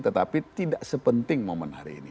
tetapi tidak sepenting momen hari ini